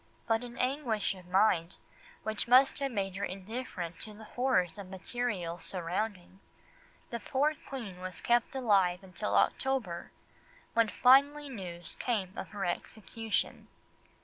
But in an anguish of mind which must have made her indifferent to the horrors of material surroundings, the poor Queen was kept alive until October, when finally news came of her execution.